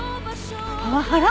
パワハラ？